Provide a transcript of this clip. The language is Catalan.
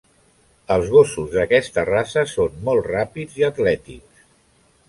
Els gossos d'aquesta raça són molt ràpids i atlètics.